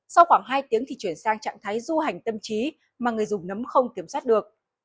sau khoảng hai tiếng thì chuyển sang trạng thái du hành tâm trí mà người dùng nấm không kiểm soát được